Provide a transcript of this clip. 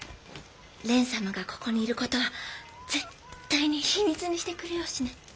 蓮様がここにいる事は絶対に秘密にしてくりょうしね。